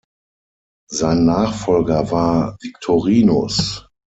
Sein Nachfolger war Victorinus.